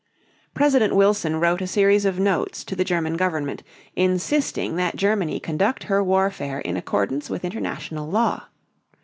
President Wilson wrote a series of notes to the German government insisting that Germany conduct her warfare in accordance with international law.